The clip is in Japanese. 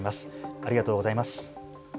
ありがとうございます。